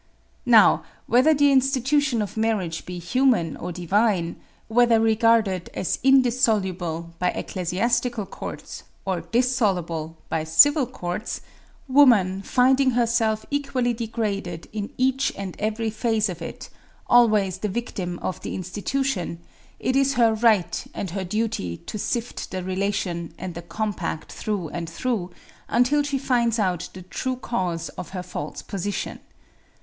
Now, whether the institution of marriage be human or divine, whether regarded as indissoluble by ecclesiastical courts or dissoluble by civil courts, woman, finding herself equally degraded in each and every phase of it, always the victim of the institution, it is her right and her duty to sift the relation and the compact through and through, until she finds out the true cause of her false position.